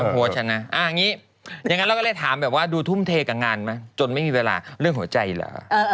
ก็ใช่ไงก็แม่นไงแม่นนะ